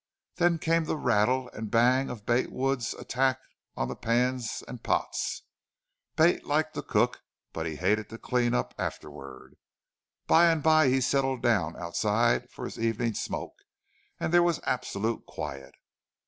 Then came the rattle and bang of Bate Wood's attack on the pans and pots. Bate liked to cook, but he hated to clean up afterward. By and by he settled down outside for his evening smoke and there was absolute quiet.